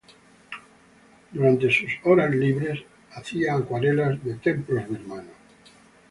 Durante sus horas libres, hacía acuarelas de templos birmanos.